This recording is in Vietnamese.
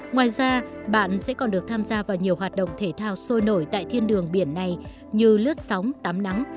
ngoài ra bạn sẽ còn được tham gia vào nhiều hoạt động thể thao sôi nổi tại thiên đường biển này như lướt sóng tám nắng